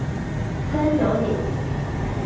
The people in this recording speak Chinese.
三角点。